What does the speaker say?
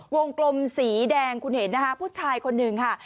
วงกลมสีแดงคุณเห็นนะคะผู้ชายคนหนึ่งค่ะ